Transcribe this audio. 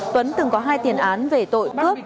tuấn từng có hai tiền án về tội cướp